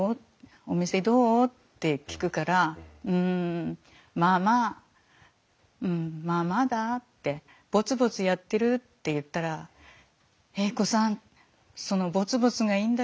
お店どう？」って聞くから「うんまあまあうんまあまあだ」って「ぼつぼつやってる」って言ったら「栄子さんそのぼつぼつがいいんだよ。